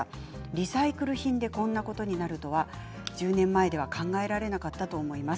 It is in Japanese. リサイクル品でこんなことになるとは１０年前では考えられなかったと思います。